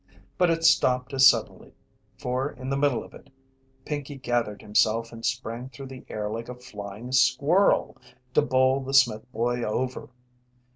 But it stopped as suddenly, for in the middle of it Pinkey gathered himself and sprang through the air like a flying squirrel, to bowl the Smith boy over.